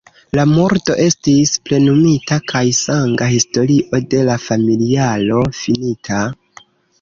La murdo estis plenumita kaj sanga historio de la familiaro finita.